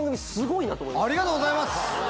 ありがとうございます！